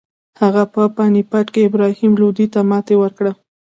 هغه په پاني پت کې ابراهیم لودي ته ماتې ورکړه.